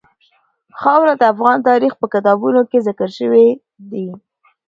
خاوره د افغان تاریخ په کتابونو کې ذکر شوی دي.